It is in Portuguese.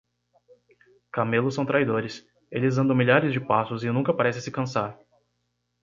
Camelos são traidores. Eles andam milhares de passos e nunca parecem se cansar.